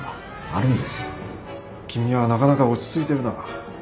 君はなかなか落ち着いてるな。